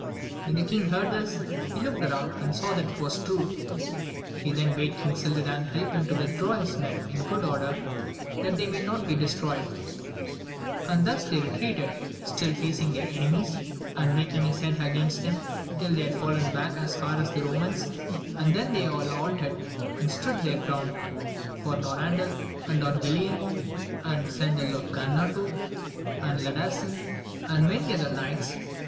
When the king heard this, he looked round and saw that it was true ; he then bade King Cildadan help him to withdraw his men in good order, that they might not be destroyed ; and thus they retreated, still facing their enemies, and making head against them, till they had fallen back as far as the Romans, and then they all halted and stood their ground, for Norandel, and Don Guilan, and Cendil of Ganota, and Ladasin, and many other knights